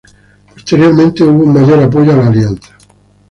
Posteriormente, hubo un mayor apoyo a la Alianza.